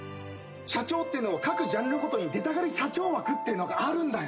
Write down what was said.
社長ってのは各ジャンルごとに出たがり社長枠ってのがあるんだ。